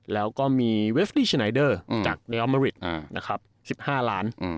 แล้วก็มีเวฟลี่ชันไนเดอร์จากเนอร์เมอริทจาก๑๕ล้าน